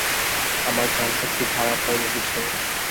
আমার ঘ্রাণশক্তি খারাপ হয়নি, বুঝলে।